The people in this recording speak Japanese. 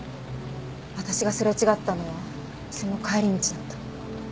私がすれ違ったのはその帰り道だった。